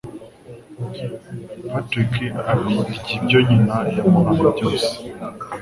Patrick arya ibyo nyina yamuhaye byose.